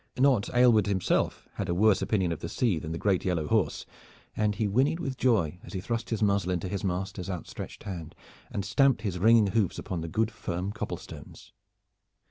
Not Aylward himself had a worse opinion of the sea than the great yellow horse, and he whinnied with joy as he thrust his muzzle into his master's outstretched hand, and stamped his ringing hoofs upon the good firm cobblestones.